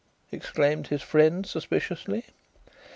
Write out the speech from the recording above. exclaimed his friend suspiciously.